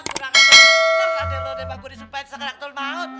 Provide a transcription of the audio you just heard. tuh lah deh lo udah bangun disumpahin segera ketul maut